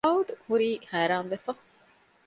ދާއޫދުހުރީ ހައިރާންވެފަ